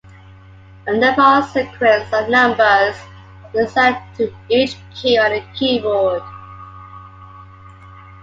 A number, or sequence of numbers, is assigned to each key on the keyboard.